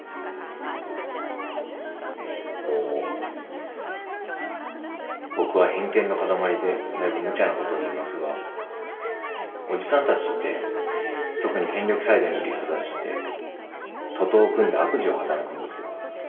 あの僕は偏見の塊でだいぶ無茶なことを言いますがおじさんたちって特に権力サイドにいる人たちって徒党を組んで悪事を働くんですよ。